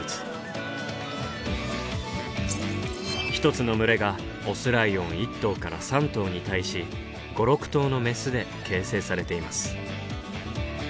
１つの群れがオスライオン１頭から３頭に対し５６頭のメスで形成されています。